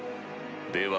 では